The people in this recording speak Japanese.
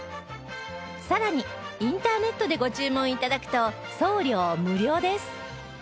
さらにインターネットでご注文頂くと送料無料です！